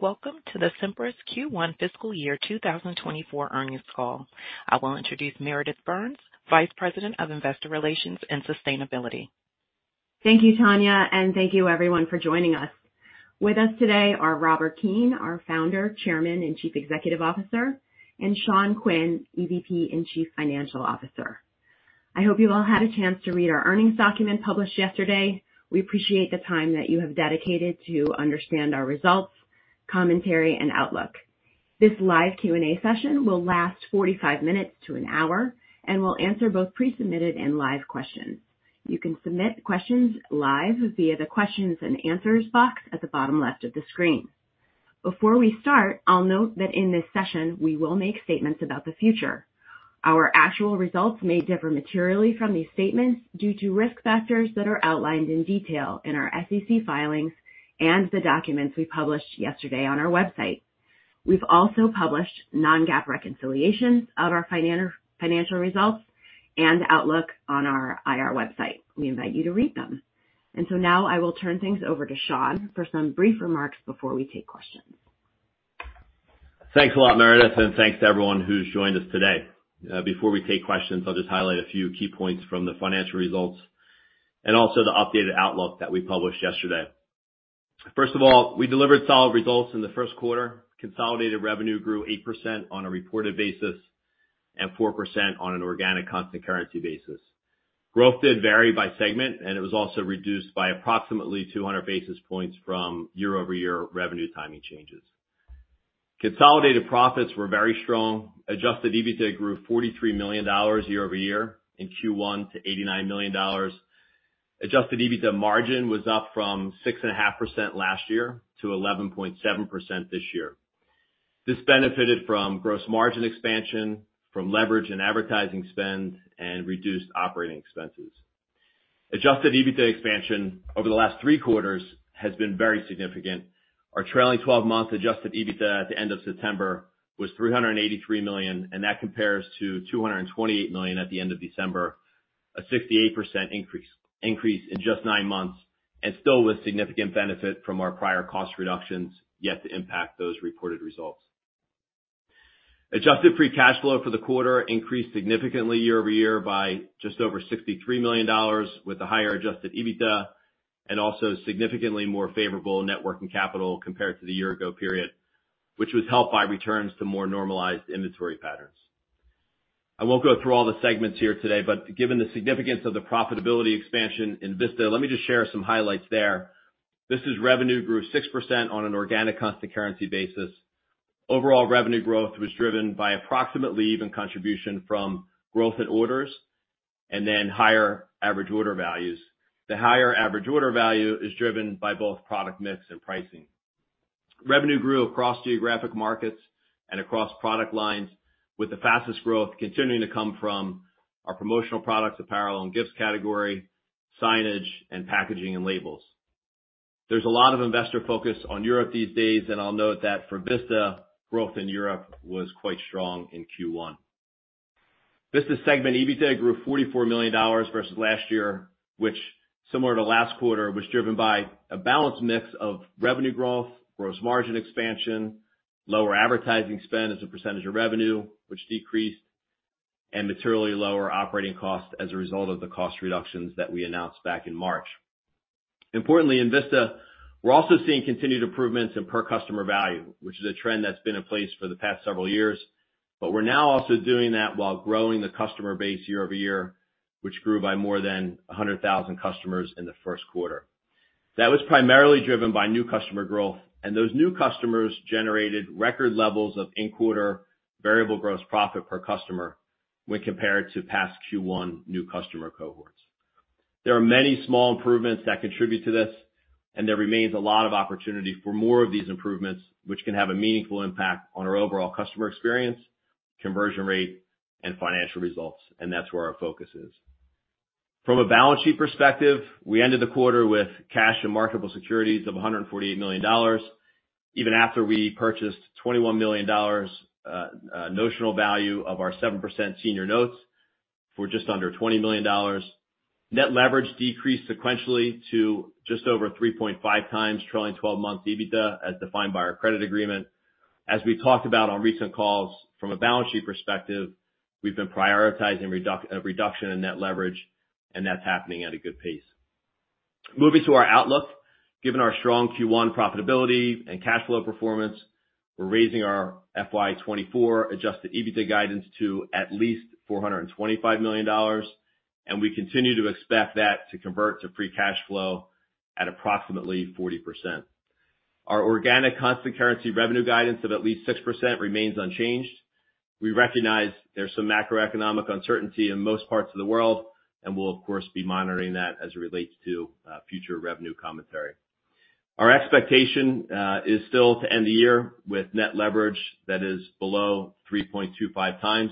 Welcome to the Cimpress Q1 fiscal year 2024 earnings call. I will introduce Meredith Burns, Vice President of Investor Relations and Sustainability. Thank you, Tanya, and thank you everyone for joining us. With us today are Robert Keane, our Founder, Chairman, and Chief Executive Officer, and Sean Quinn, EVP and Chief Financial Officer. I hope you've all had a chance to read our earnings document published yesterday. We appreciate the time that you have dedicated to understand our results, commentary, and outlook. This live Q&A session will last 45 minutes to an hour and will answer both pre-submitted and live questions. You can submit questions live via the questions and answers box at the bottom left of the screen. Before we start, I'll note that in this session, we will make statements about the future. Our actual results may differ materially from these statements due to risk factors that are outlined in detail in our SEC filings and the documents we published yesterday on our website. We've also published non-GAAP reconciliations of our financial results and outlook on our IR website. We invite you to read them. And so now I will turn things over to Sean for some brief remarks before we take questions. Thanks a lot, Meredith, and thanks to everyone who's joined us today. Before we take questions, I'll just highlight a few key points from the financial results and also the updated outlook that we published yesterday. First of all, we delivered solid results in the first quarter. Consolidated revenue grew 8% on a reported basis and 4% on an organic constant currency basis. Growth did vary by segment, and it was also reduced by approximately 200 basis points from year-over-year revenue timing changes. Consolidated profits were very strong. Adjusted EBITDA grew $43 million year-over-year in Q1 to $89 million. Adjusted EBITDA margin was up from 6.5% last year to 11.7% this year. This benefited from gross margin expansion, from leverage in advertising spend, and reduced operating expenses. Adjusted EBITDA expansion over the last three quarters has been very significant. Our trailing 12-month Adjusted EBITDA at the end of September was $383 million, and that compares to $228 million at the end of December, a 68% increase, increase in just nine months and still with significant benefit from our prior cost reductions, yet to impact those reported results. Adjusted free cash flow for the quarter increased significantly year-over-year by just over $63 million, with a higher Adjusted EBITDA and also significantly more favorable net working capital compared to the year ago period, which was helped by returns to more normalized inventory patterns. I won't go through all the segments here today, but given the significance of the profitability expansion in Vista, let me just share some highlights there. This revenue grew 6% on an organic constant currency basis. Overall revenue growth was driven by approximately even contribution from growth in orders and then higher average order values. The higher average order value is driven by both product mix and pricing. Revenue grew across geographic markets and across product lines, with the fastest growth continuing to come from our promotional products, apparel and gifts category, signage, and packaging and labels. There's a lot of investor focus on Europe these days, and I'll note that for Vista, growth in Europe was quite strong in Q1. Vista segment, EBITDA grew $44 million versus last year, which, similar to last quarter, was driven by a balanced mix of revenue growth, gross margin expansion, lower advertising spend as a percentage of revenue, which decreased, and materially lower operating costs as a result of the cost reductions that we announced back in March. Importantly, in Vista, we're also seeing continued improvements in per customer value, which is a trend that's been in place for the past several years. But we're now also doing that while growing the customer base year-over-year, which grew by more than 100,000 customers in the first quarter. That was primarily driven by new customer growth, and those new customers generated record levels of in-quarter variable gross profit per customer when compared to past Q1 new customer cohorts. There are many small improvements that contribute to this, and there remains a lot of opportunity for more of these improvements, which can have a meaningful impact on our overall customer experience, conversion rate, and financial results, and that's where our focus is. From a balance sheet perspective, we ended the quarter with cash and marketable securities of $148 million, even after we purchased $21 million notional value of our 7% senior notes for just under $20 million. Net leverage decreased sequentially to just over 3.5x trailing 12 months EBITDA, as defined by our credit agreement. As we talked about on recent calls, from a balance sheet perspective, we've been prioritizing a reduction in net leverage, and that's happening at a good pace. Moving to our outlook. Given our strong Q1 profitability and cash flow performance, we're raising our FY24 Adjusted EBITDA guidance to at least $425 million, and we continue to expect that to convert to free cash flow at approximately 40%. Our Organic Constant Currency revenue guidance of at least 6% remains unchanged. We recognize there's some macroeconomic uncertainty in most parts of the world, and we'll of course be monitoring that as it relates to future revenue commentary. Our expectation is still to end the year with Net Leverage that is below 3.25x,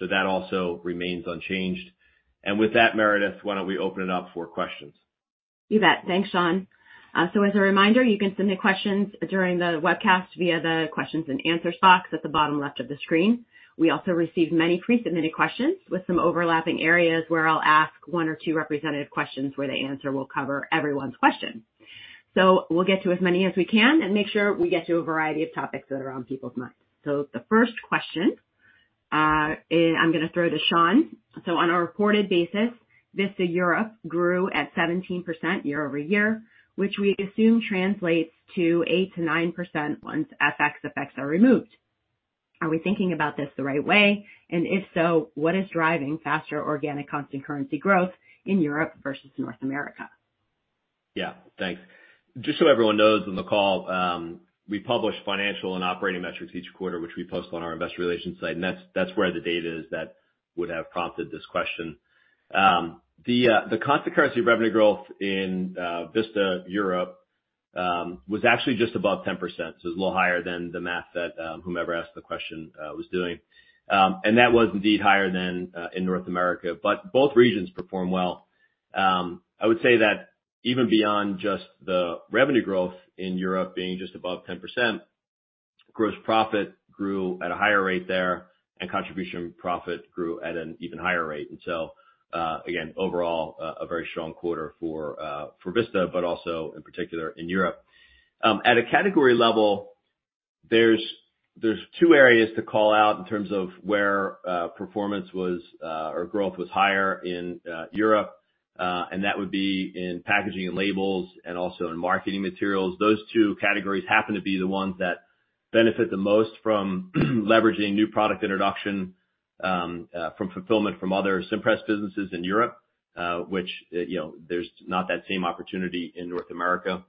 so that also remains unchanged. And with that, Meredith, why don't we open it up for questions? You bet. Thanks, Sean. So as a reminder, you can send in questions during the webcast via the questions and answers box at the bottom left of the screen. We also received many pre-submitted questions with some overlapping areas, where I'll ask one or two representative questions, where the answer will cover everyone's question. So we'll get to as many as we can and make sure we get to a variety of topics that are on people's minds. So the first question, and I'm gonna throw to Sean. So on a reported basis, Vista Europe grew at 17% year-over-year, which we assume translates to 8%-9% once FX effects are removed. Are we thinking about this the right way? And if so, what is driving faster Organic Constant Currency growth in Europe versus North America? Yeah, thanks. Just so everyone knows on the call, we publish financial and operating metrics each quarter, which we post on our investor relations site, and that's where the data is that would have prompted this question. The Constant Currency revenue growth in Vista Europe was actually just above 10%. So it's a little higher than the math that whomever asked the question was doing. And that was indeed higher than in North America, but both regions performed well. I would say that even beyond just the revenue growth in Europe being just above 10%, gross profit grew at a higher rate there, and contribution profit grew at an even higher rate. So again, overall, a very strong quarter for Vista, but also in particular in Europe. At a category level, there's two areas to call out in terms of where performance was or growth was higher in Europe, and that would be in packaging and labels and also in marketing materials. Those two categories happen to be the ones that benefit the most from leveraging new product introduction from fulfillment from other Cimpress businesses in Europe, which you know, there's not that same opportunity in North America.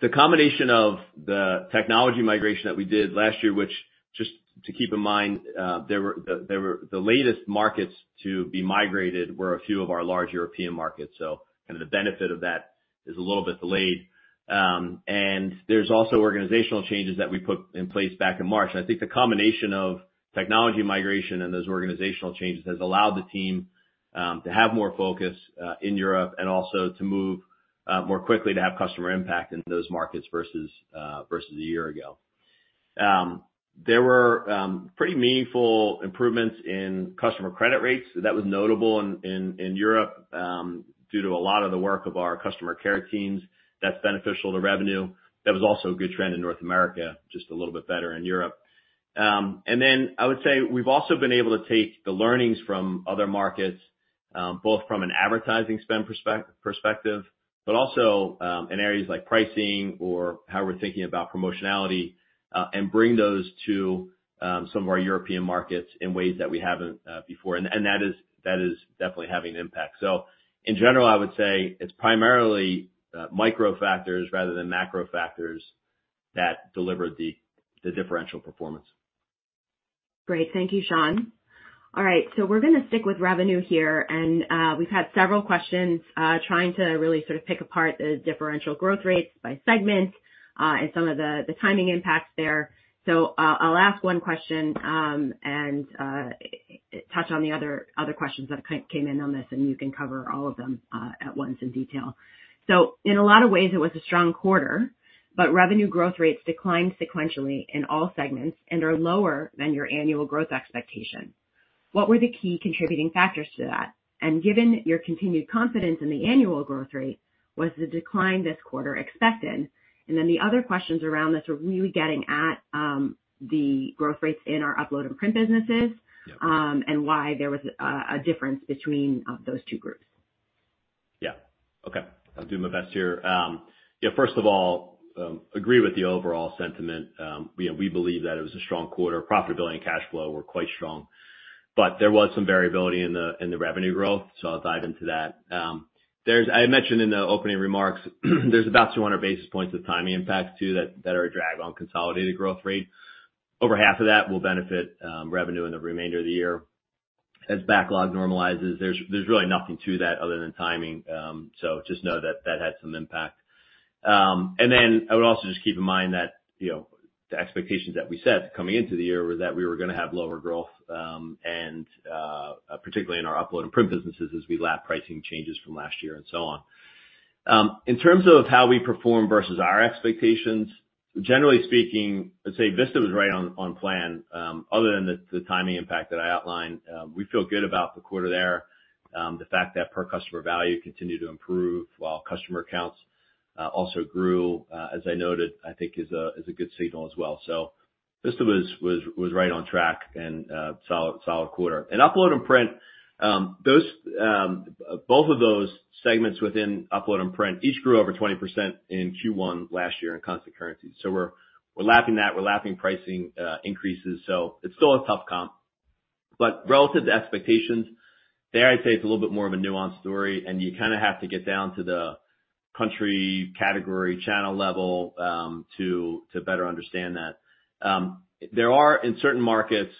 The combination of the technology migration that we did last year, which just to keep in mind, the latest markets to be migrated were a few of our large European markets. So kind of the benefit of that is a little bit delayed. And there's also organizational changes that we put in place back in March. I think the combination of technology migration and those organizational changes has allowed the team to have more focus in Europe and also to move more quickly to have customer impact in those markets versus a year ago. There were pretty meaningful improvements in customer credit rates. That was notable in Europe due to a lot of the work of our customer care teams. That's beneficial to revenue. That was also a good trend in North America, just a little bit better in Europe. And then I would say we've also been able to take the learnings from other markets, both from an advertising spend perspective, but also, in areas like pricing or how we're thinking about promotionality, and bring those to some of our European markets in ways that we haven't before. And that is definitely having an impact. So in general, I would say it's primarily micro factors rather than macro factors that delivered the differential performance. Great. Thank you, Sean. All right, so we're gonna stick with revenue here, and, we've had several questions, trying to really sort of pick apart the differential growth rates by segment, and some of the, the timing impacts there. So, I'll ask one question, and, touch on the other, other questions that came in on this, and you can cover all of them, at once in detail. So in a lot of ways, it was a strong quarter, but revenue growth rates declined sequentially in all segments and are lower than your annual growth expectation. What were the key contributing factors to that? And given your continued confidence in the annual growth rate, was the decline this quarter expected? And then the other questions around this are really getting at, the growth rates in our Upload and Print businesses- Yeah. And why there was a difference between those two groups? Yeah. Okay, I'll do my best here. Yeah, first of all, agree with the overall sentiment. You know, we believe that it was a strong quarter. Profitability and cash flow were quite strong, but there was some variability in the revenue growth, so I'll dive into that. I mentioned in the opening remarks, there's about 200 basis points of timing impacts, too, that are a drag on consolidated growth rate. Over half of that will benefit revenue in the remainder of the year. As backlog normalizes, there's really nothing to that other than timing. So just know that that had some impact. And then I would also just keep in mind that, you know, the expectations that we set coming into the year were that we were gonna have lower growth, and particularly in our Upload and Print businesses, as we lap pricing changes from last year and so on. In terms of how we performed versus our expectations, generally speaking, I'd say Vista was right on plan. Other than the timing impact that I outlined, we feel good about the quarter there. The fact that per customer value continued to improve while customer counts also grew, as I noted, I think is a good signal as well. So Vista was right on track and solid quarter. And Upload and Print, those both of those segments within Upload and Print, each grew over 20% in Q1 last year in constant currency. So we're, we're lapping that, we're lapping pricing increases, so it's still a tough comp. But relative to expectations, there I'd say it's a little bit more of a nuanced story, and you kind of have to get down to the country, category, channel level, to better understand that. There are in certain markets,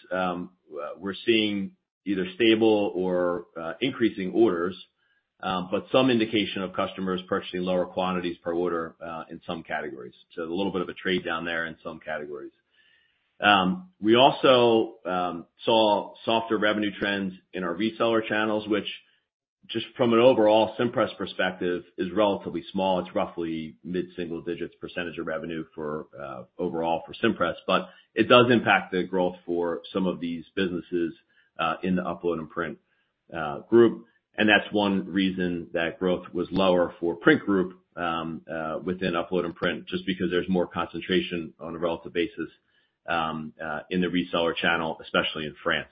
we're seeing either stable or increasing orders, but some indication of customers purchasing lower quantities per order in some categories. So a little bit of a trade-down there in some categories. We also saw softer revenue trends in our reseller channels, which just from an overall Cimpress perspective, is relatively small. It's roughly mid-single digits % of revenue for overall for Cimpress, but it does impact the growth for some of these businesses in the Upload and Print group, and that's one reason that growth was lower for Print Group within Upload and Print, just because there's more concentration on a relative basis in the reseller channel, especially in France.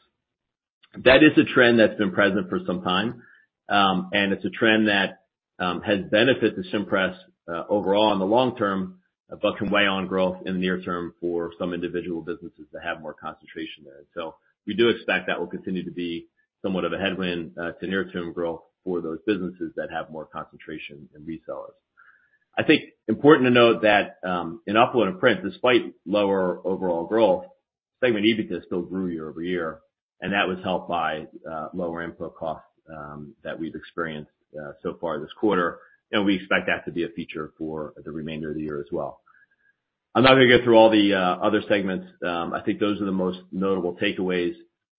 That is a trend that's been present for some time, and it's a trend that has benefited Cimpress overall in the long term, but can weigh on growth in the near term for some individual businesses that have more concentration there. So we do expect that will continue to be somewhat of a headwind to near-term growth for those businesses that have more concentration in resellers. I think important to note that, in Upload and Print, despite lower overall growth, segment EBITDA still grew year-over-year, and that was helped by lower input costs that we've experienced so far this quarter, and we expect that to be a feature for the remainder of the year as well. I'm not gonna go through all the other segments. I think those are the most notable takeaways.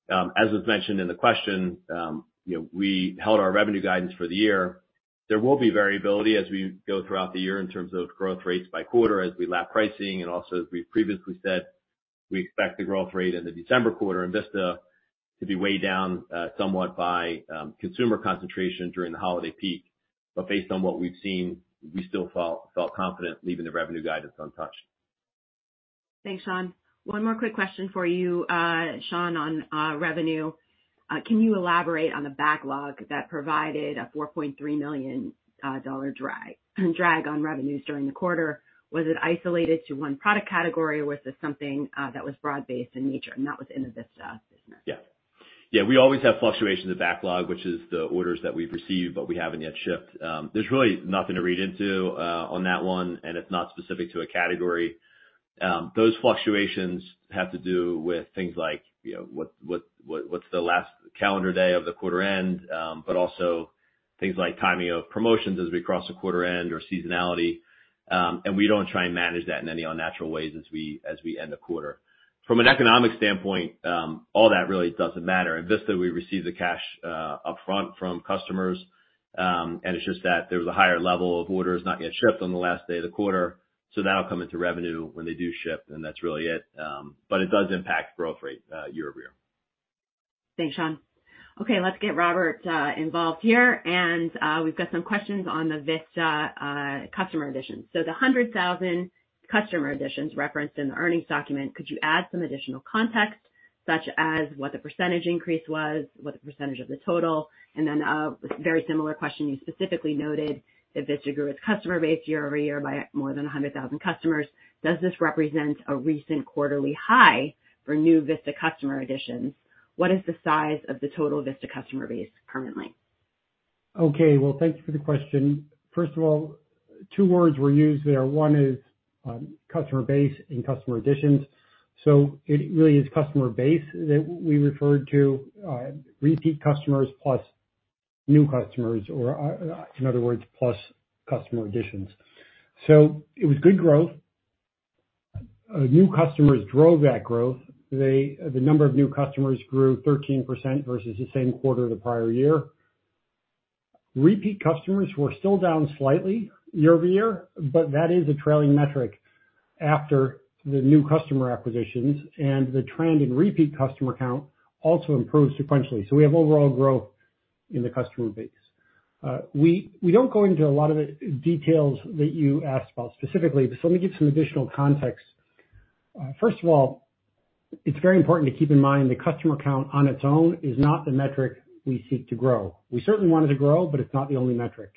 As was mentioned in the question, you know, we held our revenue guidance for the year. There will be variability as we go throughout the year in terms of growth rates by quarter, as we lap pricing, and also, as we've previously said, we expect the growth rate in the December quarter in Vista to be weighed down somewhat by consumer concentration during the holiday peak. Based on what we've seen, we still felt confident leaving the revenue guidance untouched. Thanks, Sean. One more quick question for you, Sean, on revenue. Can you elaborate on the backlog that provided a $4.3 million drag on revenues during the quarter? Was it isolated to one product category, or was this something that was broad-based in nature, and that was in the Vista business? Yeah. Yeah, we always have fluctuations in backlog, which is the orders that we've received, but we haven't yet shipped. There's really nothing to read into, on that one, and it's not specific to a category. Those fluctuations have to do with things like, you know, what's the last calendar day of the quarter end, but also things like timing of promotions as we cross the quarter end or seasonality. And we don't try and manage that in any unnatural ways as we end a quarter. From an economic standpoint, all that really doesn't matter. At Vista, we receive the cash upfront from customers, and it's just that there was a higher level of orders not yet shipped on the last day of the quarter, so that'll come into revenue when they do ship, and that's really it. But it does impact growth rate year-over-year. Thanks, Sean. Okay, let's get Robert involved here, and we've got some questions on the Vista customer additions. So the 100,000 customer additions referenced in the earnings document, could you add some additional context, such as what the percentage increase was, what the percentage of the total? And then, very similar question, you specifically noted that Vista grew its customer base year-over-year by more than 100,000 customers. Does this represent a recent quarterly high for new Vista customer additions? What is the size of the total Vista customer base currently? Okay. Well, thanks for the question. First of all, two words were used there. One is, customer base and customer additions. So it really is customer base that we referred to, repeat customers plus new customers, or, in other words, plus customer additions. So it was good growth. New customers drove that growth. The number of new customers grew 13% versus the same quarter the prior year. Repeat customers were still down slightly year-over-year, but that is a trailing metric after the new customer acquisitions, and the trend in repeat customer count also improved sequentially. So we have overall growth in the customer base. We don't go into a lot of the details that you asked about specifically, but let me give some additional context. First of all, it's very important to keep in mind the customer count on its own is not the metric we seek to grow. We certainly want it to grow, but it's not the only metric.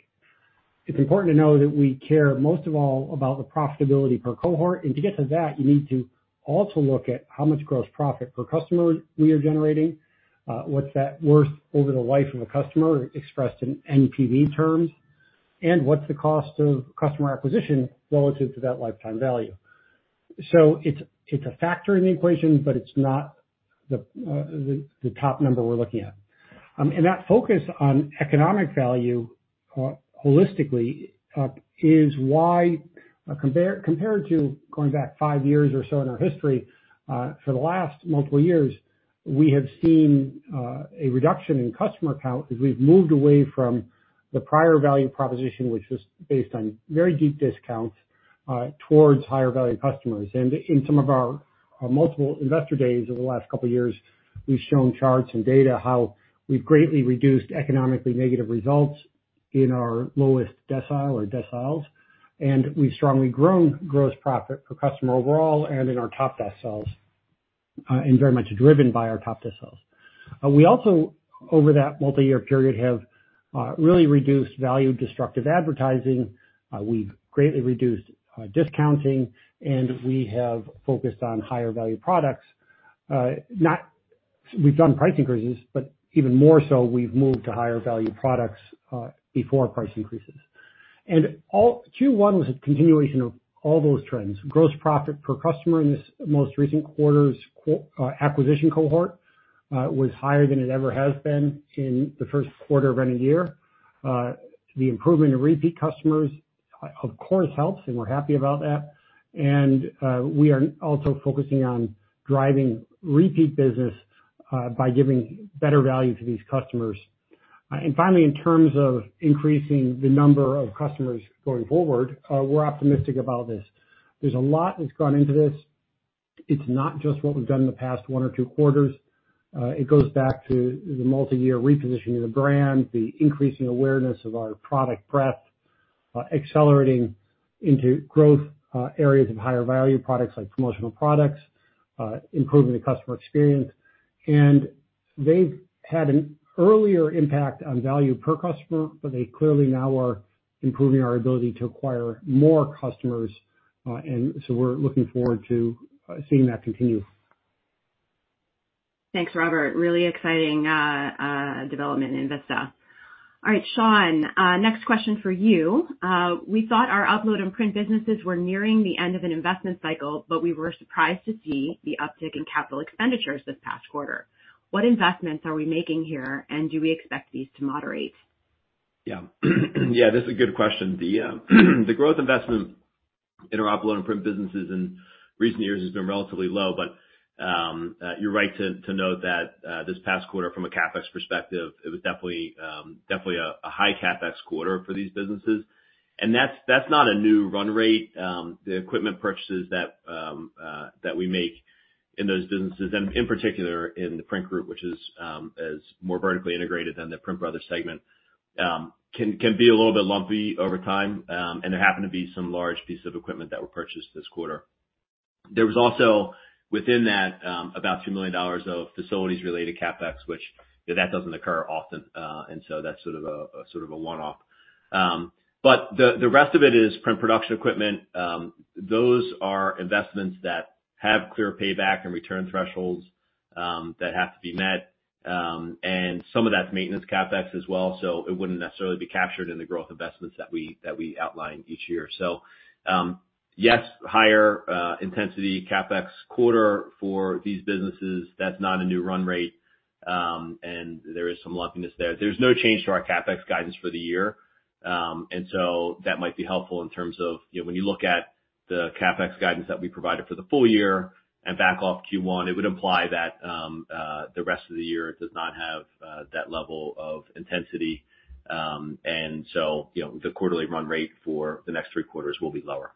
It's important to know that we care most of all about the profitability per cohort, and to get to that, you need to also look at how much gross profit per customer we are generating, what's that worth over the life of a customer expressed in NPV terms, and what's the cost of customer acquisition relative to that lifetime value? So it's a factor in the equation, but it's not the top number we're looking at. And that focus on economic value, holistically, is why, compared to going back five years or so in our history, for the last multiple years, we have seen a reduction in customer count as we've moved away from the prior value proposition, which was based on very deep discounts, towards higher value customers. And in some of our multiple investor days over the last couple years, we've shown charts and data how we've greatly reduced economically negative results in our lowest decile or deciles, and we've strongly grown gross profit per customer overall and in our top deciles, and very much driven by our top deciles. We also, over that multiyear period, have really reduced value-destructive advertising, we've greatly reduced discounting, and we have focused on higher value products. Not, we've done price increases, but even more so, we've moved to higher value products before price increases. And all Q1 was a continuation of all those trends. Gross profit per customer in this most recent quarter's acquisition cohort was higher than it ever has been in the first quarter of any year. The improvement in repeat customers, of course, helps, and we're happy about that, and we are also focusing on driving repeat business by giving better value to these customers. And finally, in terms of increasing the number of customers going forward, we're optimistic about this. There's a lot that's gone into this. It's not just what we've done in the past one or two quarters. It goes back to the multi-year repositioning of the brand, the increasing awareness of our product breadth, accelerating into growth areas of higher value products like promotional products, improving the customer experience. They've had an earlier impact on value per customer, but they clearly now are improving our ability to acquire more customers, and so we're looking forward to seeing that continue. Thanks, Robert, really exciting development in Vista. All right, Sean, next question for you. We thought our Upload and Print businesses were nearing the end of an investment cycle, but we were surprised to see the uptick in capital expenditures this past quarter. What investments are we making here, and do we expect these to moderate? Yeah. Yeah, this is a good question. The growth investment in our Upload and Print businesses in recent years has been relatively low, but you're right to note that this past quarter, from a CapEx perspective, it was definitely a high CapEx quarter for these businesses. And that's not a new run rate. The equipment purchases that we make in those businesses, and in particular in The Print Group, which is more vertically integrated than the PrintBrothers segment, can be a little bit lumpy over time. And there happened to be some large pieces of equipment that were purchased this quarter. There was also, within that, about $2 million of facilities-related CapEx, which, you know, that doesn't occur often. And so that's sort of a, sort of a one-off. But the, the rest of it is print production equipment. Those are investments that have clear payback and return thresholds, that have to be met. And some of that's maintenance CapEx as well, so it wouldn't necessarily be captured in the growth investments that we, that we outline each year. So, yes, higher intensity CapEx quarter for these businesses. That's not a new run rate. And there is some lumpiness there. There's no change to our CapEx guidance for the year. And so that might be helpful in terms of, you know, when you look at the CapEx guidance that we provided for the full year and back off Q1, it would imply that, the rest of the year does not have, that level of intensity. And so, you know, the quarterly run rate for the next three quarters will be lower.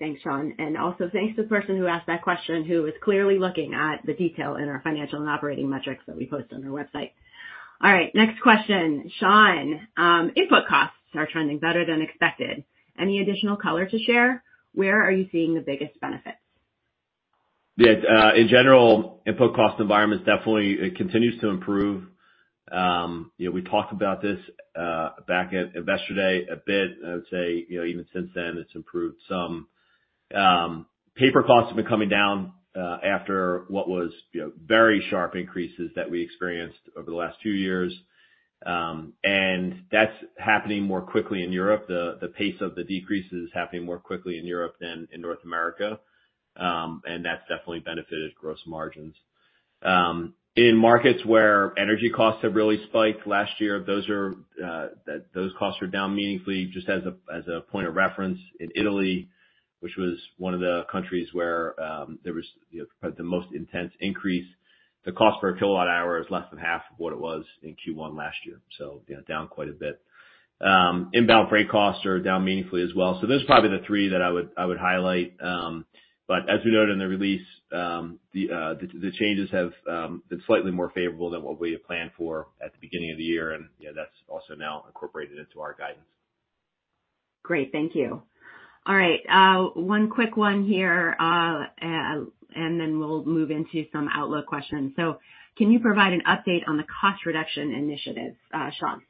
Thanks, Sean, and also thanks to the person who asked that question, who is clearly looking at the detail in our financial and operating metrics that we post on our website. All right, next question. Sean, input costs are trending better than expected. Any additional color to share? Where are you seeing the biggest benefits? Yeah, in general, input cost environment definitely, it continues to improve. You know, we talked about this, back at Investor Day a bit. I would say, you know, even since then, it's improved some. Paper costs have been coming down, after what was, you know, very sharp increases that we experienced over the last two years. And that's happening more quickly in Europe. The pace of the decrease is happening more quickly in Europe than in North America. And that's definitely benefited gross margins. In markets where energy costs have really spiked last year, those costs are down meaningfully. Just as a point of reference, in Italy, which was one of the countries where there was, you know, probably the most intense increase, the cost per kilowatt hour is less than half of what it was in Q1 last year, so, you know, down quite a bit. Inbound freight costs are down meaningfully as well. So those are probably the three that I would highlight, but as we noted in the release, the changes have been slightly more favorable than what we had planned for at the beginning of the year, and, you know, that's also now incorporated into our guidance. Great, thank you. All right, one quick one here, and then we'll move into some outlook questions. So can you provide an update on the cost reduction initiatives, Sean?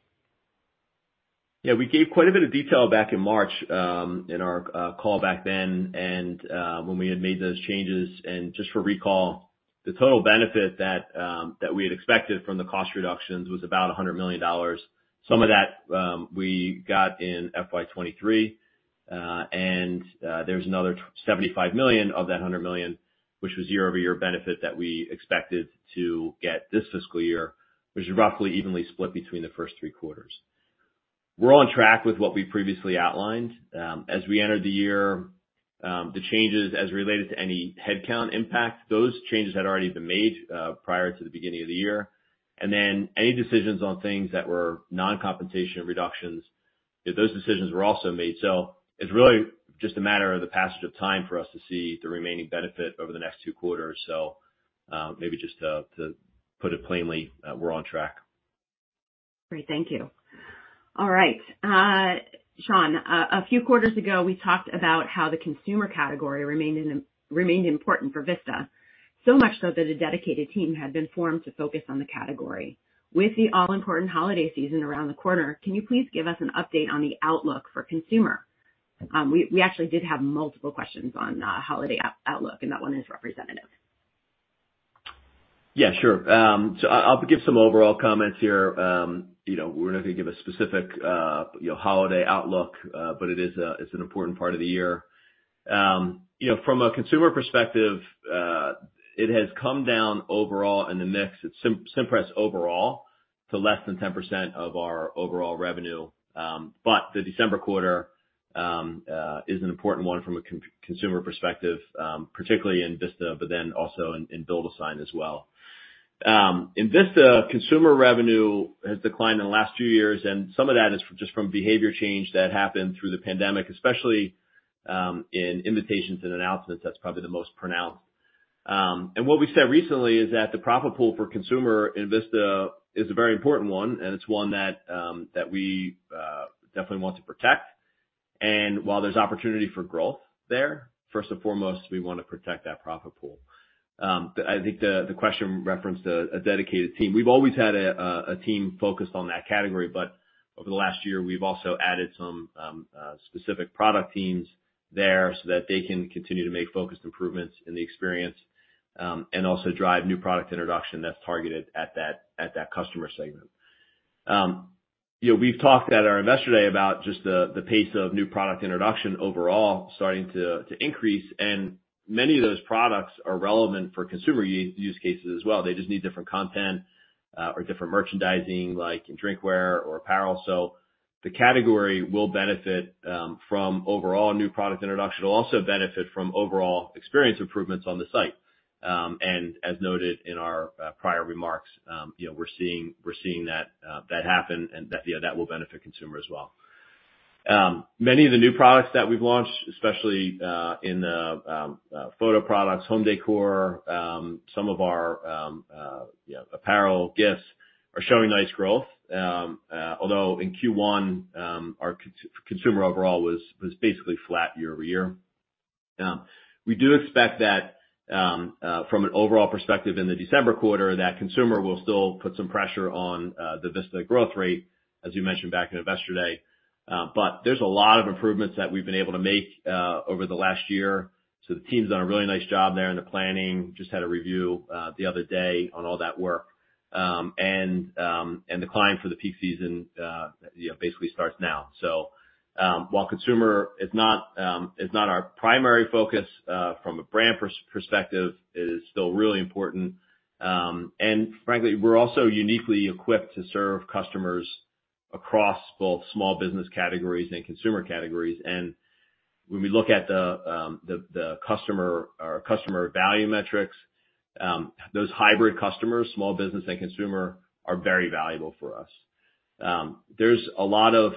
Yeah, we gave quite a bit of detail back in March in our call back then, and when we had made those changes. And just for recall, the total benefit that we had expected from the cost reductions was about $100 million. Some of that we got in FY23, and there's another $75 million of that $100 million, which was year-over-year benefit that we expected to get this fiscal year, which is roughly evenly split between the first three quarters. We're on track with what we previously outlined. As we entered the year, the changes as related to any headcount impact, those changes had already been made prior to the beginning of the year. And then any decisions on things that were non-compensation reductions, those decisions were also made. So it's really just a matter of the passage of time for us to see the remaining benefit over the next two quarters. So, maybe just to put it plainly, we're on track. Great, thank you. All right. Sean, a few quarters ago, we talked about how the consumer category remained important for Vista, so much so that a dedicated team had been formed to focus on the category. With the all-important holiday season around the corner, can you please give us an update on the outlook for consumer? We actually did have multiple questions on holiday outlook, and that one is representative. Yeah, sure. So I'll give some overall comments here. You know, we're not gonna give a specific, you know, holiday outlook, but it is a, it's an important part of the year. You know, from a consumer perspective, it has come down overall in the mix. It's Cimpress overall to less than 10% of our overall revenue, but the December quarter is an important one from a consumer perspective, particularly in Vista, but then also in BuildASign as well. In Vista, consumer revenue has declined in the last few years, and some of that is just from behavior change that happened through the pandemic, especially in invitations and announcements, that's probably the most pronounced. What we said recently is that the profit pool for consumer in Vista is a very important one, and it's one that we definitely want to protect. And while there's opportunity for growth there, first and foremost, we wanna protect that profit pool. But I think the question referenced a dedicated team. We've always had a team focused on that category, but over the last year, we've also added some specific product teams there, so that they can continue to make focused improvements in the experience, and also drive new product introduction that's targeted at that customer segment. You know, we've talked at our Investor Day about just the pace of new product introduction overall starting to increase, and many of those products are relevant for consumer use cases as well. They just need different content, or different merchandising, like in drinkware or apparel. So the category will benefit from overall new product introduction. It'll also benefit from overall experience improvements on the site. And as noted in our prior remarks, you know, we're seeing that happen and that, yeah, that will benefit consumer as well. Many of the new products that we've launched, especially in the photo products, home decor, some of our, you know, apparel, gifts, are showing nice growth. Although in Q1, our consumer overall was basically flat year-over-year. We do expect that, from an overall perspective in the December quarter, that consumer will still put some pressure on the Vista growth rate, as you mentioned back in Investor Day. But there's a lot of improvements that we've been able to make over the last year. So the team's done a really nice job there in the planning. Just had a review the other day on all that work. And the climb for the peak season, you know, basically starts now. So while consumer is not our primary focus from a brand perspective, it is still really important. And frankly, we're also uniquely equipped to serve customers across both small business categories and consumer categories. And when we look at the customer value metrics, those hybrid customers, small business and consumer, are very valuable for us. There's a lot of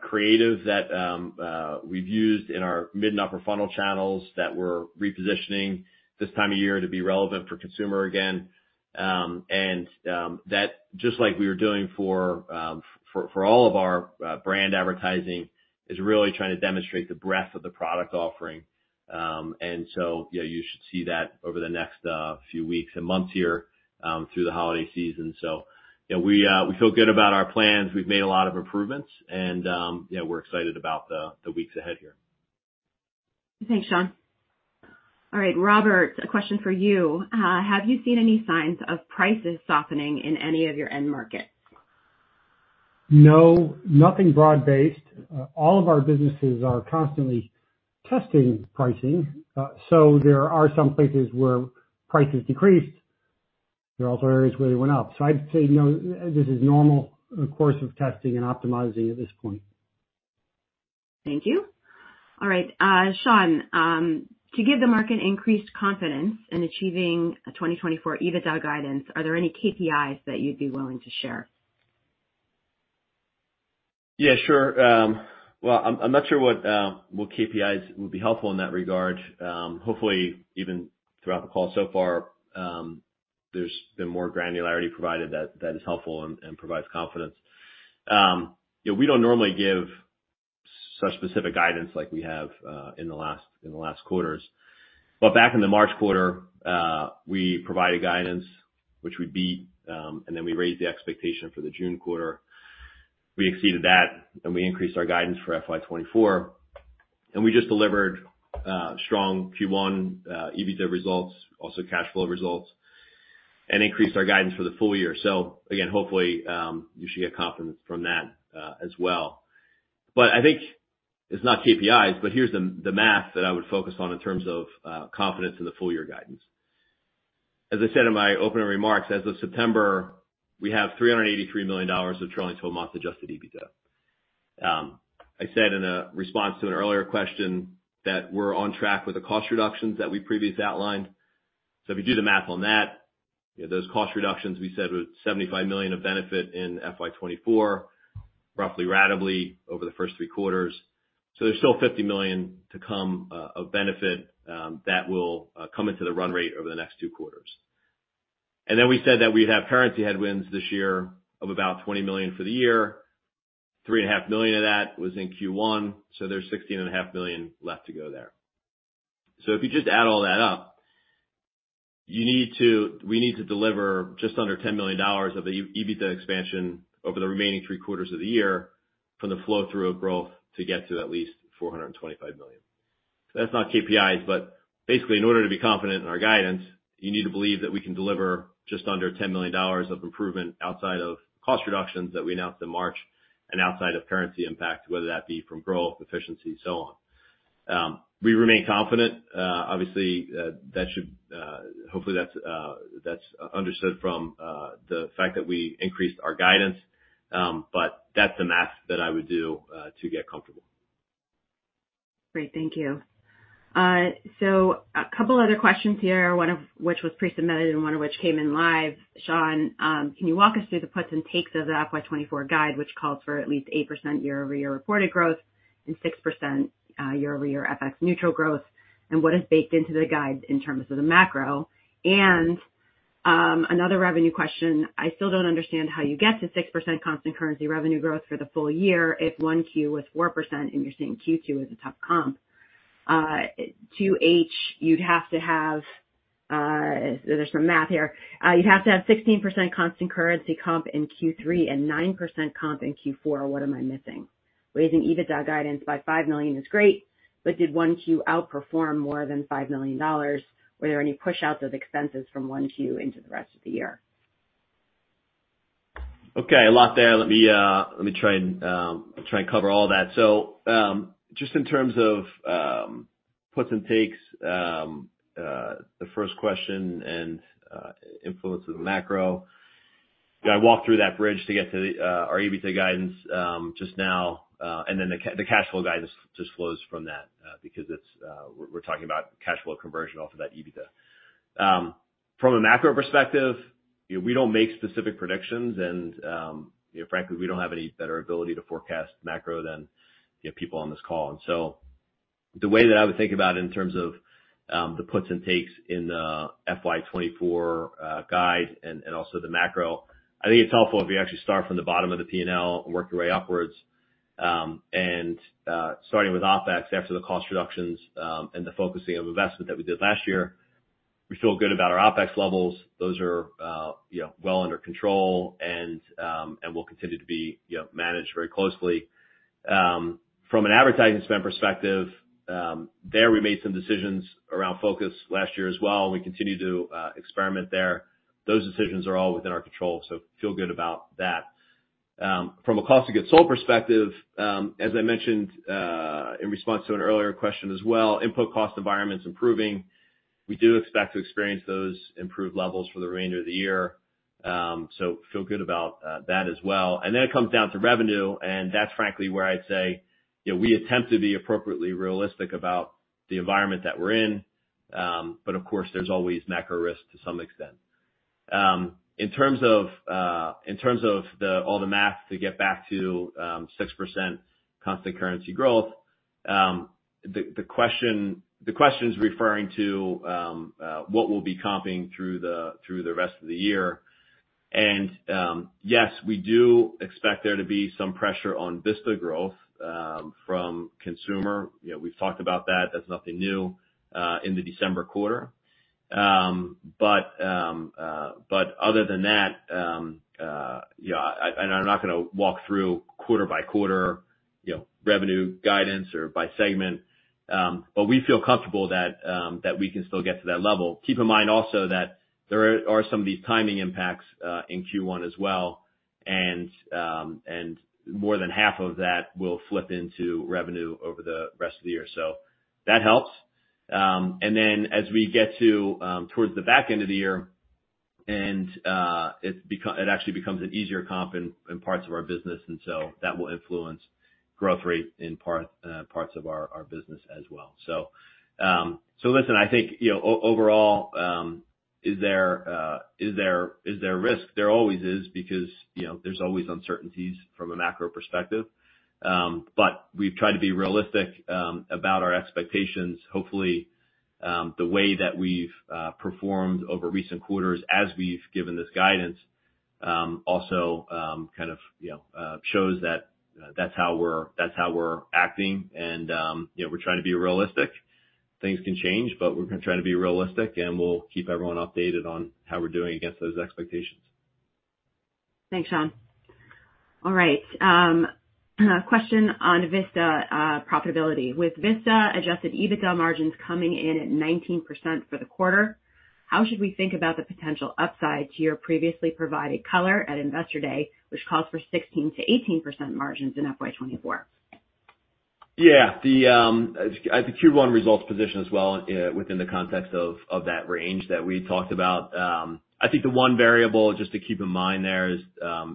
creative that we've used in our mid and upper funnel channels that we're repositioning this time of year to be relevant for consumer again. And that, just like we were doing for all of our brand advertising, is really trying to demonstrate the breadth of the product offering. And so, you know, you should see that over the next few weeks and months here, through the holiday season. So, you know, we feel good about our plans. We've made a lot of improvements, and yeah, we're excited about the weeks ahead here. Thanks, Sean. All right, Robert, a question for you. Have you seen any signs of prices softening in any of your end markets? No, nothing broad-based. All of our businesses are constantly testing pricing, so there are some places where prices decreased. There are also areas where they went up. So I'd say, you know, this is normal in the course of testing and optimizing at this point. Thank you. All right. Sean, to give the market increased confidence in achieving a 2024 EBITDA guidance, are there any KPIs that you'd be willing to share? Yeah, sure. Well, I'm not sure what KPIs would be helpful in that regard. Hopefully, even throughout the call so far, there's been more granularity provided that is helpful and provides confidence. You know, we don't normally give such specific guidance like we have in the last quarters. But back in the March quarter, we provided guidance, which we beat, and then we raised the expectation for the June quarter. We exceeded that, and we increased our guidance for FY24, and we just delivered strong Q1 EBITDA results, also cash flow results, and increased our guidance for the full year. So again, hopefully, you should get confidence from that as well. But I think it's not KPIs, but here's the math that I would focus on in terms of confidence in the full year guidance. As I said in my opening remarks, as of September, we have $383 million of trailing 12-month Adjusted EBITDA. I said in a response to an earlier question that we're on track with the cost reductions that we previously outlined. So if you do the math on that, you know, those cost reductions, we said, were $75 million of benefit in FY24, roughly ratably over the first three quarters. So there's still $50 million to come of benefit that will come into the run rate over the next two quarters. And then we said that we'd have currency headwinds this year of about $20 million for the year. $3.5 million of that was in Q1, so there's $16.5 million left to go there. So if you just add all that up, you need to, we need to deliver just under $10 million of the EBITDA expansion over the remaining three quarters of the year from the flow through of growth to get to at least $425 million. So that's not KPIs, but basically, in order to be confident in our guidance, you need to believe that we can deliver just under $10 million of improvement outside of cost reductions that we announced in March and outside of currency impact, whether that be from growth, efficiency, so on. We remain confident. Obviously, that should hopefully, that's understood from the fact that we increased our guidance, but that's the math that I would do to get comfortable. Great. Thank you. So a couple other questions here, one of which was pre-submitted and one of which came in live. Sean, can you walk us through the puts and takes of the FY24 guide, which calls for at least 8% year-over-year reported growth and 6%, year-over-year FX neutral growth, and what is baked into the guide in terms of the macro? And, another revenue question: I still don't understand how you get to 6% constant currency revenue growth for the full year if Q1 was 4%, and you're saying Q2 is a tough comp. 2H, you'd have to have, there's some math here. You'd have to have 16% constant currency comp in Q3 and 9% comp in Q4. What am I missing? Raising EBITDA guidance by $5 million is great, but did 1Q outperform more than $5 million? Were there any pushouts of expenses from 1Q into the rest of the year? Okay, a lot there. Let me try and cover all that. So, just in terms of puts and takes, the first question and influence of the macro. Yeah, I walked through that bridge to get to our EBITDA guidance just now, and then the cash flow guidance just flows from that, because we're talking about cash flow conversion off of that EBITDA. From a macro perspective, you know, we don't make specific predictions and, you know, frankly, we don't have any better ability to forecast macro than people on this call. And so the way that I would think about it in terms of the puts and takes in the FY24 guide and also the macro, I think it's helpful if we actually start from the bottom of the P&L and work your way upwards. Starting with OpEx, after the cost reductions and the focusing of investment that we did last year, we feel good about our OpEx levels. Those are, you know, well under control and will continue to be, you know, managed very closely. From an advertising spend perspective, there, we made some decisions around focus last year as well, and we continue to experiment there. Those decisions are all within our control, so feel good about that. From a cost of goods sold perspective, as I mentioned, in response to an earlier question as well, input cost environment's improving. We do expect to experience those improved levels for the remainder of the year. So feel good about that as well. And then it comes down to revenue, and that's frankly, where I'd say, you know, we attempt to be appropriately realistic about the environment that we're in. But of course, there's always macro risk to some extent. In terms of all the math to get back to 6% constant currency growth, the question is referring to what we'll be comping through the rest of the year. Yes, we do expect there to be some pressure on Vista growth from consumer. You know, we've talked about that, that's nothing new, in the December quarter. But other than that, you know, I, and I'm not gonna walk through quarter by quarter, you know, revenue guidance or by segment, but we feel comfortable that, that we can still get to that level. Keep in mind also that there are some of these timing impacts, in Q1 as well, and, and more than half of that will flip into revenue over the rest of the year, so that helps. And then as we get to, towards the back end of the year and, it actually becomes an easier comp in parts of our business, and so that will influence growth rate in parts of our business as well. So, listen, I think, you know, overall, is there risk? There always is, because, you know, there's always uncertainties from a macro perspective. But we've tried to be realistic about our expectations. Hopefully, the way that we've performed over recent quarters, as we've given this guidance, also kind of, you know, shows that that's how we're acting and, you know, we're trying to be realistic. Things can change, but we're gonna try to be realistic, and we'll keep everyone updated on how we're doing against those expectations. Thanks, Sean. All right, question on Vista profitability. With Vista Adjusted EBITDA margins coming in at 19% for the quarter, how should we think about the potential upside to your previously provided color at Investor Day, which calls for 16%-18% margins in FY24? Yeah. I think Q1 results position as well within the context of that range that we had talked about. I think the one variable, just to keep in mind there, is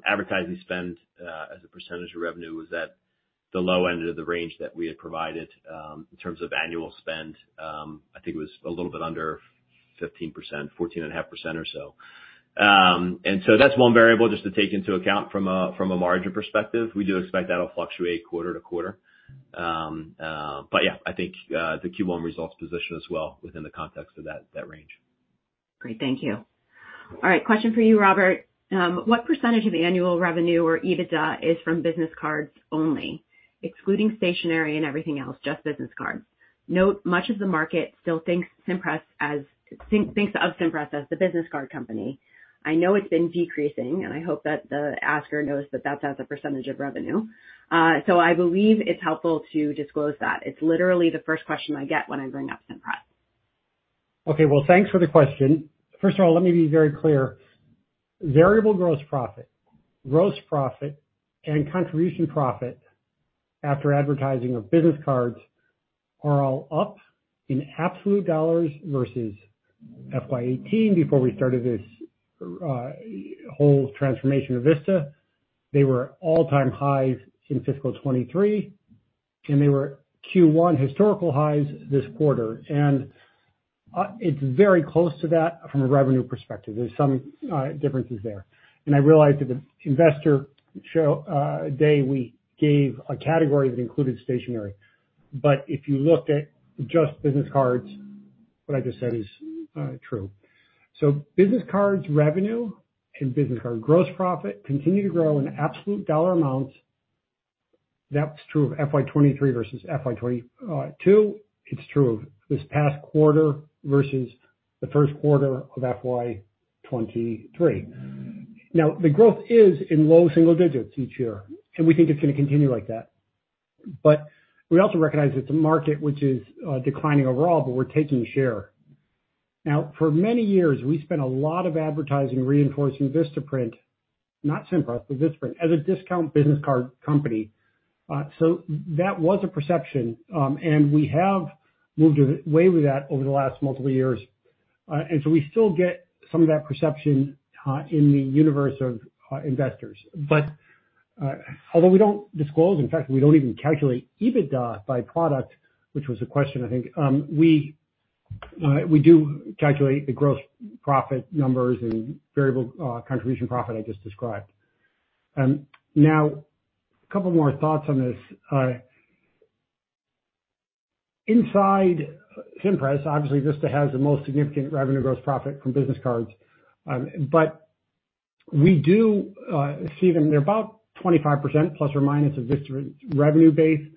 advertising spend as a percentage of revenue, was at the low end of the range that we had provided. In terms of annual spend, I think it was a little bit under 15%, 14.5% or so. And so that's one variable just to take into account from a margin perspective. We do expect that'll fluctuate quarter to quarter. But yeah, I think the Q1 results position as well within the context of that range. Great, thank you. All right, question for you, Robert. What percentage of the annual revenue or EBITDA is from business cards only, excluding stationery and everything else, just business cards? Note, much of the market still thinks of Cimpress as the business card company. I know it's been decreasing, and I hope that the asker knows that that's as a percentage of revenue. So I believe it's helpful to disclose that. It's literally the first question I get when I bring up Cimpress. Okay, well, thanks for the question. First of all, let me be very clear. Variable gross profit, gross profit, and contribution profit after advertising of business cards are all up in absolute dollars versus FY18, before we started this whole transformation of Vista, they were at all-time highs in fiscal 2023, and they were Q1 historical highs this quarter. And it's very close to that from a revenue perspective. There's some differences there. And I realize at the Investor Day, we gave a category that included stationery, but if you looked at just business cards, what I just said is true. So business cards revenue and business card gross profit continue to grow in absolute dollar amounts. That's true of FY23 versus FY22. It's true of this past quarter versus the first quarter of FY23. Now, the growth is in low single digits each year, and we think it's gonna continue like that. But we also recognize it's a market which is declining overall, but we're taking share. Now, for many years, we spent a lot of advertising reinforcing Vistaprint, not Cimpress, but Vistaprint, as a discount business card company. So that was a perception, and we have moved away with that over the last multiple years. And so we still get some of that perception in the universe of investors. But although we don't disclose, in fact, we don't even calculate EBITDA by product, which was a question, I think. We do calculate the gross profit numbers and variable contribution profit I just described. Now, a couple more thoughts on this. Inside Vistaprint, obviously Vista has the most significant revenue gross profit from business cards, but we do see them. They're about 25% ± of Vista's revenue base,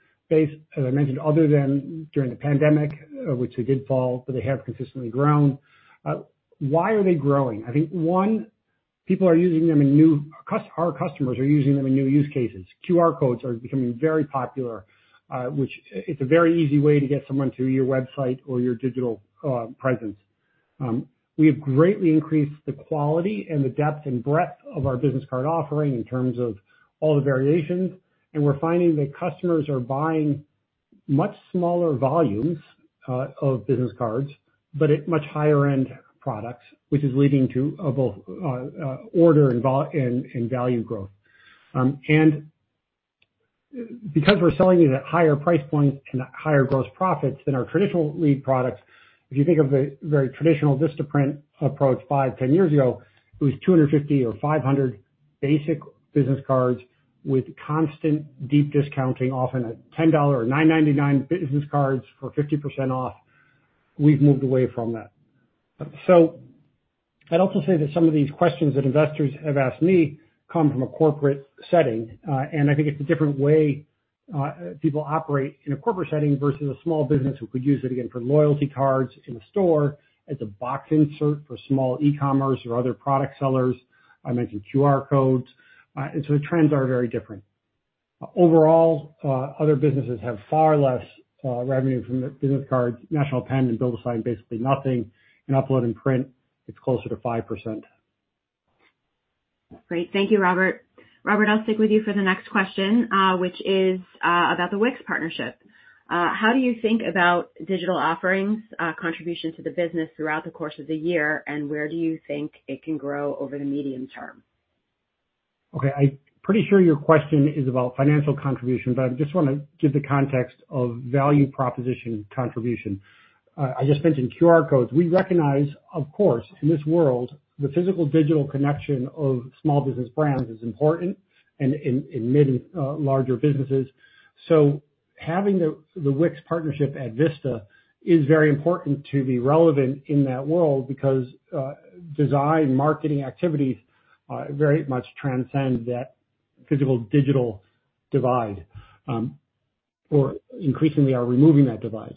as I mentioned, other than during the pandemic, which they did fall, but they have consistently grown. Why are they growing? I think, one, our customers are using them in new use cases. QR codes are becoming very popular, which it's a very easy way to get someone to your website or your digital presence. We have greatly increased the quality and the depth and breadth of our business card offering in terms of all the variations, and we're finding that customers are buying much smaller volumes of business cards, but at much higher end products, which is leading to a both order and value growth. And because we're selling it at higher price points and higher gross profits than our traditional lead products, if you think of the very traditional Vistaprint approach 5, 10 years ago, it was 250 or 500 basic business cards with constant deep discounting, often at $10 or $9.99 business cards for 50% off, we've moved away from that. So I'd also say that some of these questions that investors have asked me come from a corporate setting, and I think it's a different way, people operate in a corporate setting versus a small business who could use it, again, for loyalty cards in a store, as a box insert for small e-commerce or other product sellers. I mentioned QR codes. And so the trends are very different. Overall, other businesses have far less revenue from business cards, National Pen and BuildASign, basically nothing, and Upload and Print, it's closer to 5%. Great. Thank you, Robert. Robert, I'll stick with you for the next question, which is about the Wix partnership. How do you think about digital offerings, contribution to the business throughout the course of the year, and where do you think it can grow over the medium term? Okay, I'm pretty sure your question is about financial contribution, but I just wanna give the context of value proposition contribution. I just mentioned QR codes. We recognize, of course, in this world, the physical, digital connection of small business brands is important and in many larger businesses. So having the Wix partnership at Vista is very important to be relevant in that world because design marketing activities very much transcend that physical, digital divide or increasingly are removing that divide.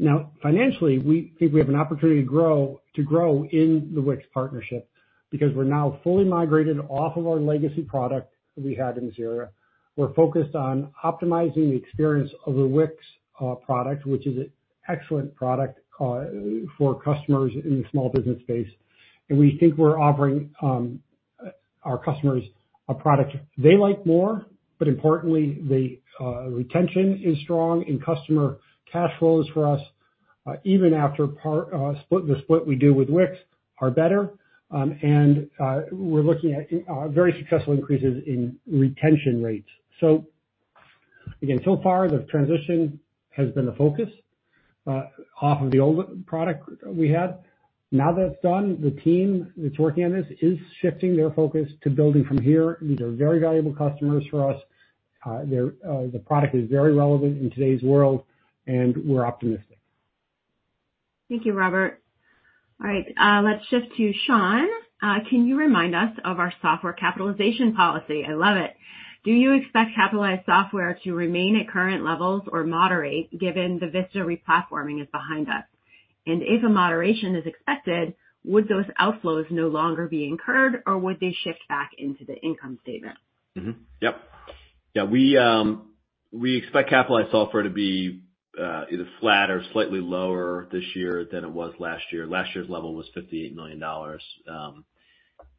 Now, financially, we think we have an opportunity to grow, to grow in the Wix partnership because we're now fully migrated off of our legacy product we had in Vistaprint. We're focused on optimizing the experience of the Wix product, which is an excellent product for customers in the small business space. And we think we're offering our customers a product they like more, but importantly, the retention is strong and customer cash flows for us, even after the split we do with Wix, are better. And we're looking at very successful increases in retention rates. So again, so far, the transition has been a focus off of the old product we had. Now that it's done, the team that's working on this is shifting their focus to building from here. These are very valuable customers for us. They're the product is very relevant in today's world, and we're optimistic. Thank you, Robert. All right, let's shift to Sean. Can you remind us of our software capitalization policy? I love it. Do you expect capitalized software to remain at current levels or moderate, given the Vista replatforming is behind us? And if a moderation is expected, would those outflows no longer be incurred, or would they shift back into the income statement? Mm-hmm. Yep. Yeah, we expect capitalized software to be either flat or slightly lower this year than it was last year. Last year's level was $58 million.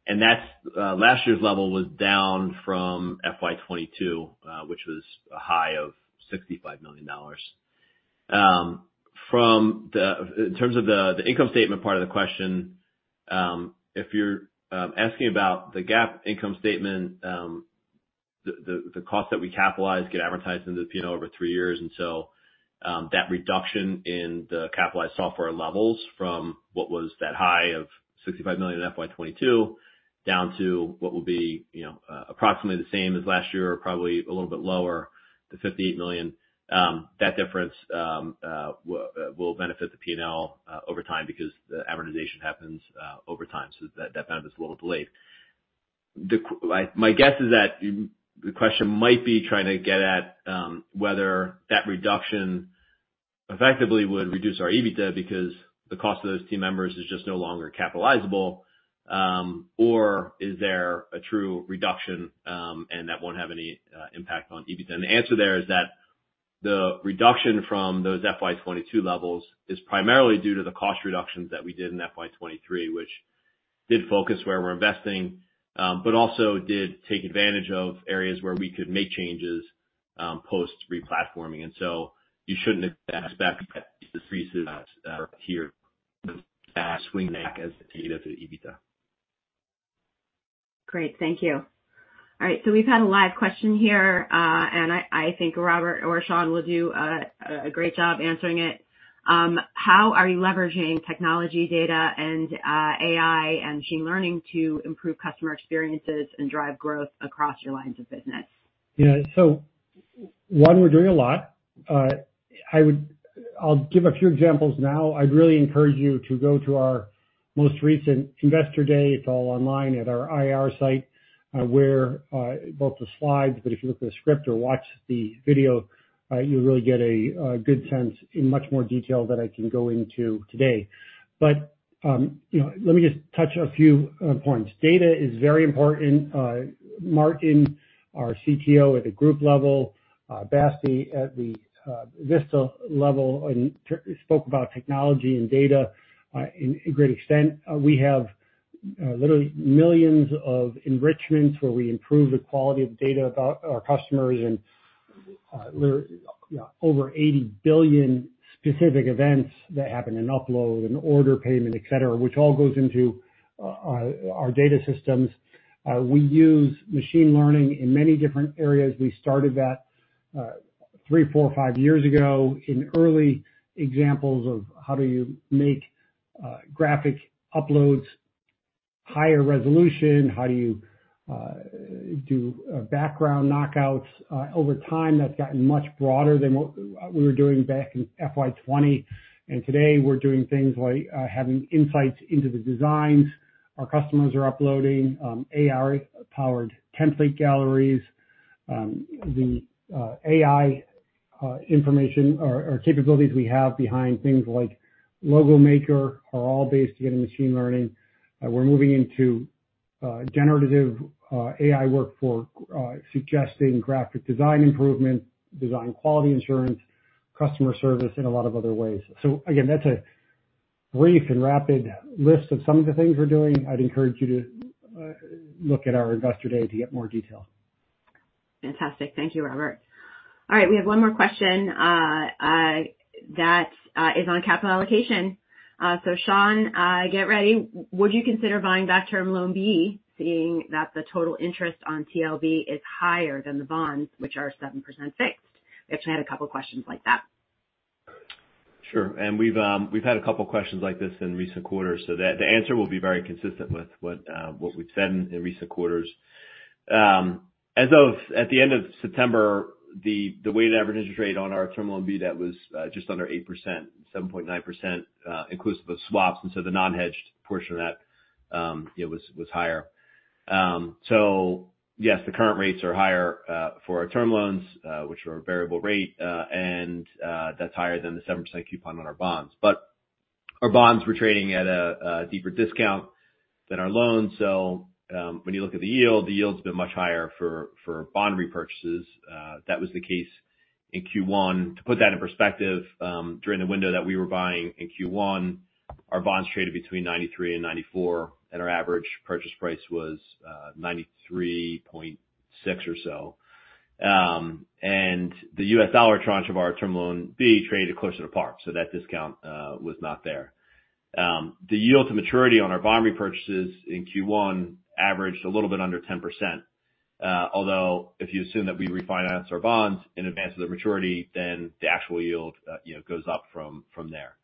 And that's, last year's level was down from FY22, which was a high of $65 million. From the-- in terms of the income statement part of the question, if you're asking about the GAAP income statement, the cost that we capitalize get amortized into the P&L over three years. And so, that reduction in the capitalized software levels from what was that high of $65 million in FY22, down to what will be, you know, approximately the same as last year or probably a little bit lower, to $58 million, that difference will benefit the P&L over time because the amortization happens over time. So that, that amount is a little delayed. My guess is that the question might be trying to get at whether that reduction effectively would reduce our EBITDA, because the cost of those team members is just no longer capitalizable, or is there a true reduction, and that won't have any impact on EBITDA? And the answer there is that the reduction from those FY22 levels is primarily due to the cost reductions that we did in FY23, which did focus where we're investing, but also did take advantage of areas where we could make changes post-replatforming. And so you shouldn't expect the OpEx that is here as the EBITDA. Great. Thank you. All right, so we've had a live question here, and I think Robert or Sean will do a great job answering it. How are you leveraging technology data and AI and machine learning to improve customer experiences and drive growth across your lines of business? Yeah. So one, we're doing a lot. I'll give a few examples now. I'd really encourage you to go to our most recent Investor Day. It's all online at our IR site, where both the slides, but if you look at the script or watch the video, you'll really get a good sense in much more detail than I can go into today. But, you know, let me just touch on a few points. Data is very important. Maarten, our CTO at the group level, Basti, at the Vista level, spoke about technology and data in a great extent. We have literally millions of enrichments where we improve the quality of data about our customers and over 80 billion specific events that happen in upload and order payment, et cetera, which all goes into our data systems. We use machine learning in many different areas. We started that three, four, five years ago in early examples of how do you make graphic uploads higher resolution? How do you do background knockouts? Over time, that's gotten much broader than what we were doing back in FY20. And today we're doing things like having insights into the designs our customers are uploading, AI-powered template galleries. The AI information or capabilities we have behind things like Logo Maker are all based in machine learning. We're moving into generative AI work for suggesting graphic design improvement, design quality assurance, customer service, and a lot of other ways. So again, that's a brief and rapid list of some of the things we're doing. I'd encourage you to look at our Investor Day to get more detail. Fantastic. Thank you, Robert. All right, we have one more question that is on capital allocation. So Sean, get ready. Would you consider buying back Term Loan B, seeing that the total interest on TLB is higher than the bonds, which are 7% fixed? We actually had a couple questions like that. Sure. And we've, we've had a couple questions like this in recent quarters, so the, the answer will be very consistent with what, what we've said in recent quarters. As of at the end of September, the, the weighted average interest rate on our Term Loan B, that was, just under 8%, 7.9%, inclusive of swaps, and so the non-hedged portion of that, it was, was higher. So yes, the current rates are higher, for our term loans, which are variable rate, and, that's higher than the 7% coupon on our bonds. But our bonds were trading at a, a deeper discount than our loans. So, when you look at the yield, the yield's been much higher for, for bond repurchases. That was the case in Q1. To put that in perspective, during the window that we were buying in Q1, our bonds traded between 93 and 94, and our average purchase price was, 93.6 or so. The U.S. dollar tranche of our Term Loan B traded closer to par, so that discount, was not there. The yield to maturity on our bond repurchases in Q1 averaged a little bit under 10%. Although, if you assume that we refinance our bonds in advance of the maturity, then the actual yield, you know, goes up from, from there.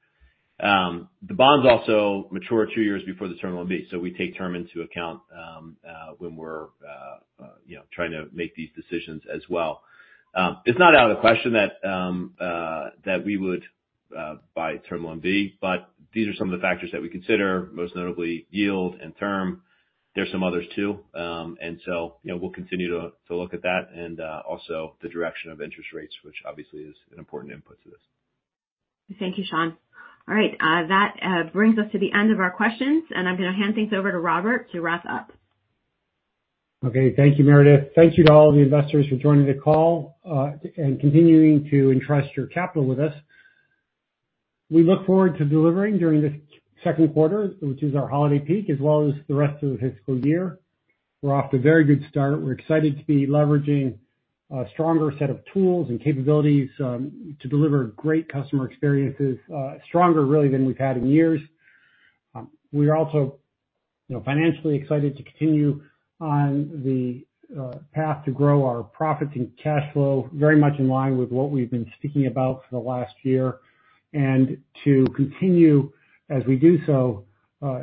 The bonds also mature two years before the Term Loan B, so we take term into account, when we're, you know, trying to make these decisions as well. It's not out of the question that we would buy Term Loan B, but these are some of the factors that we consider, most notably yield and term. There are some others, too. And so, you know, we'll continue to look at that and also the direction of interest rates, which obviously is an important input to this. Thank you, Sean. All right, that brings us to the end of our questions, and I'm gonna hand things over to Robert to wrap up. Okay. Thank you, Meredith. Thank you to all the investors for joining the call, and continuing to entrust your capital with us. We look forward to delivering during this second quarter, which is our holiday peak, as well as the rest of the fiscal year. We're off to a very good start. We're excited to be leveraging a stronger set of tools and capabilities, to deliver great customer experiences, stronger really than we've had in years. We are also, you know, financially excited to continue on the path to grow our profits and cash flow, very much in line with what we've been speaking about for the last year. And to continue as we do so,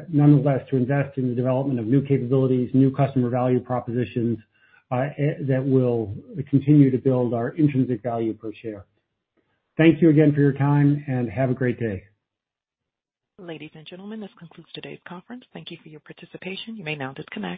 nonetheless, to invest in the development of new capabilities, new customer value propositions, that will continue to build our intrinsic value per share. Thank you again for your time, and have a great day. Ladies and gentlemen, this concludes today's conference. Thank you for your participation. You may now disconnect.